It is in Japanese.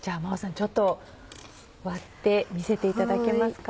ちょっと割って見せていただけますか？